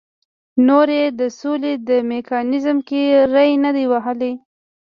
نور یې د سولې په میکانیزم کې ری نه دی وهلی.